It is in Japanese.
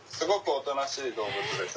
おとなしい動物です。